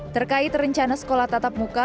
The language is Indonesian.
terkait rencana sekolah tatap muka